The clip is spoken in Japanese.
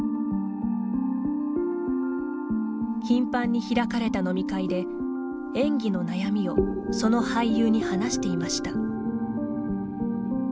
頻繁に開かれた飲み会で演技の悩みをその俳優に話していました。